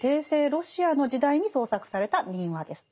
ロシアの時代に創作された「民話」です。